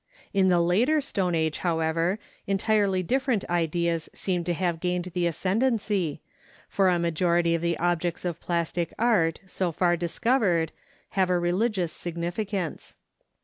In the later Stone Age, however, entirely different ideas seem to have gained the ascendancy, for a majority of the objects of plastic art so far discovered have a religious significance.